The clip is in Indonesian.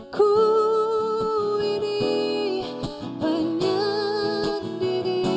ku ini penyendiri